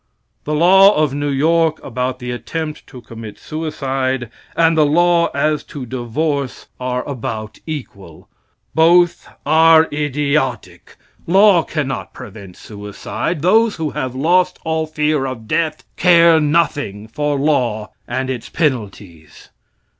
The law of New York about the attempt to commit suicide and the law as to divorce are about equal. Both are idiotic. Law cannot prevent suicide. Those who have lost all fear of death, care nothing for law and its penalties.